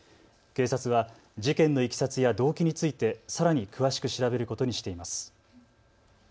警察は事件のいきさつや動機についてさらに詳しく調べることにしています。